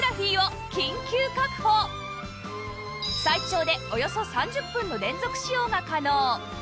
最長でおよそ３０分の連続使用が可能